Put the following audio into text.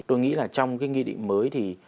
tôi nghĩ là trong cái quy định mới thì